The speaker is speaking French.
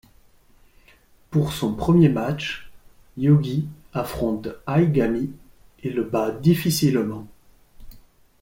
Pour son premier match, Yûgi affronte Aigami et le bat difficilement.